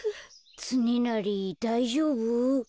つねなりだいじょうぶ？